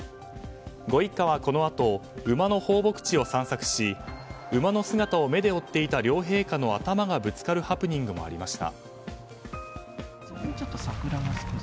ご一家は、このあと馬の放牧地を散策し馬の姿を目で追っていた両陛下の頭がぶつかるハプニングもありました。